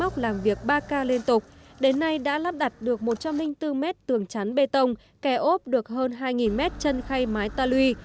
tại dốc làm việc ba k liên tục đến nay đã lắp đặt được một trăm linh bốn m tường chắn bê tông kè ốp được hơn hai m chân khay máy taluy